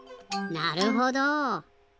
なるほど。